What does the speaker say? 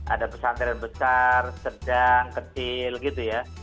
ada pesantren besar sedang kecil gitu ya